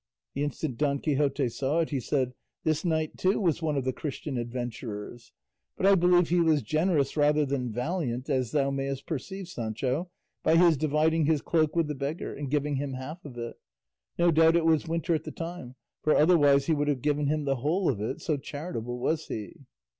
The instant Don Quixote saw it he said, "This knight too was one of the Christian adventurers, but I believe he was generous rather than valiant, as thou mayest perceive, Sancho, by his dividing his cloak with the beggar and giving him half of it; no doubt it was winter at the time, for otherwise he would have given him the whole of it, so charitable was he."